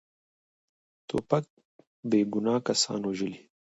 توپک بیګناه کسان وژلي.